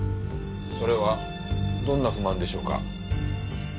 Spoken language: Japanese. それはどんな不満でしょうか？